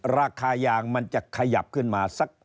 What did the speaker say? ราคายางมันจะขยับขึ้นมาสัก